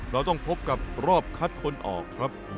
เราต้องพบกับรอบคัดคนออกครับ